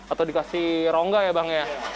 atau dikasih rongga ya bang ya